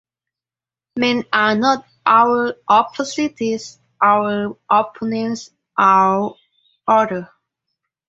Men are not our opposities, our opponents, our 'other'.